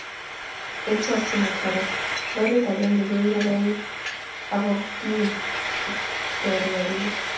Eng chokchinet Koro lorit age koibei koik ako mi kotortoi beko